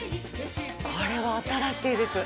これは新しいです。